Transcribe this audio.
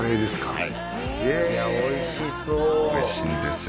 はいいやおいしそうおいしいんですよ